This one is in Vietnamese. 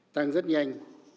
tăng rất nhanh